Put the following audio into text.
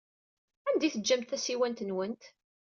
Anda ay teǧǧamt tasiwant-nwent?